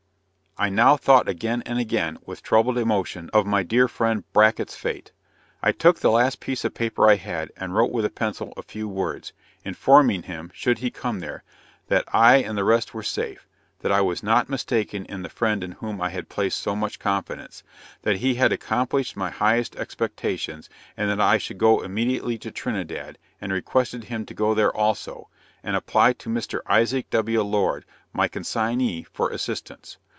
I now thought again and again, with troubled emotion, of my dear friend Bracket's fate. I took the last piece of paper I had, and wrote with pencil a few words, informing him (should he come there) that "I and the rest were safe; that I was not mistaken in the friend in whom I had placed so much confidence, that he had accomplished my highest expectations; and that I should go immediately to Trinidad, and requested him to go there also, and apply to Mr. Isaac W. Lord, my consignee, for assistance."